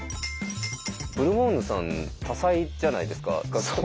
ブルボンヌさん多才じゃないですか。